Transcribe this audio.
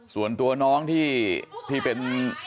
ส่วนตัวน้องที่เป็น